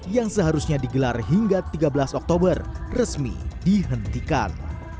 yang seharusnya digelar hingga tiga belas oktober resmi dihentikan